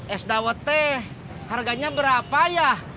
es dawetnya harganya berapa ya